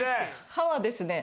歯はですね